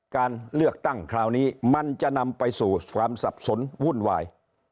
การเลือกตั้งคราวนี้มันจะนำไปสู่ความสับสนวุ่นวาย